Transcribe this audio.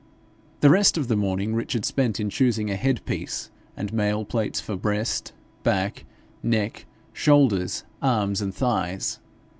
The rest of the morning Richard spent in choosing a headpiece, and mail plates for breast, back, neck, shoulders, arms, and thighs.